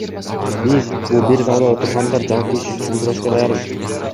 Биз, бул бир залда отургандар жалпы иш үчүн күрөшкө даярбыз.